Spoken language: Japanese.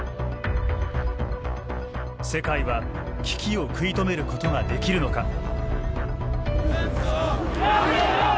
世界は危機を食い止めることができるのか。